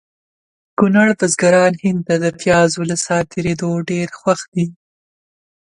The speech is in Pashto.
کونړ بزګران هند ته د پیازو له صادریدو ډېر خوښ دي